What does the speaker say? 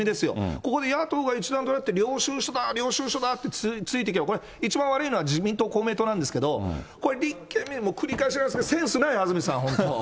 ここで野党が一丸となって、領収書だ、領収書だって、つついていけば、一番悪いのは、自民党、公明党なんですけど、立憲も、繰り返しますけど、センスない、安住さん、本当にもう。